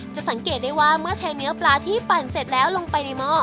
สังเกตได้ว่าเมื่อเทเนื้อปลาที่ปั่นเสร็จแล้วลงไปในหม้อ